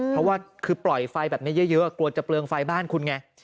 เพราะว่าคือปล่อยไฟแบบนี้เยอะกลัวจะเปลืองไฟบ้านคุณไง